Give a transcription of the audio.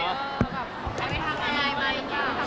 แค่ไปทางไหนมาอย่างนี้